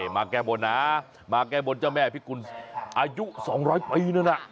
มาแก้บนนะมาแก้บนเจ้าแม่พิกุลอายุ๒๐๐ปีนั่นน่ะ